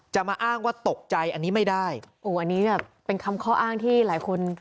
จะมาอ้างว่าตกใจอันนี้ไม่ได้โอ้อันนี้แบบเป็นคำข้ออ้างที่หลายคน